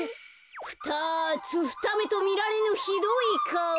ふたつふためとみられぬひどいかお。